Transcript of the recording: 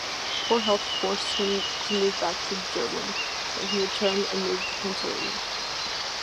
Poor health forced him back to German but he returned and moved to Pennsylvania.